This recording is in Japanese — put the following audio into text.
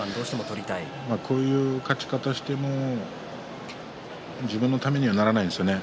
こういう勝ち方をしても自分のためにはならないですよね。